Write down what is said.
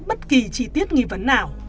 bất kỳ chi tiết nghi vấn nào